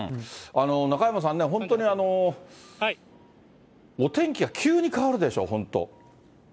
中山さんね、本当にお天気が急に変わるでしょ、本当。